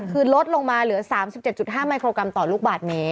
คือลดลงมาเหลือ๓๗๕มิโครกรัมต่อลูกบาทเมตร